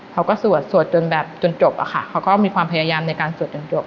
เขาก็สวดสวดจนจบค่ะเขาก็มีความพยายามในการสวดจนจบ